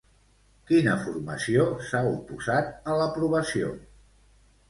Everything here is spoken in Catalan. Quina formació s'ha oposat a l'aprovació?